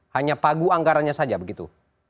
hanya pagu anggarannya saja begitu